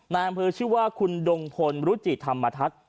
นายอำเภอชื่อว่าคุณดงพลรุจิธรรมทัศน์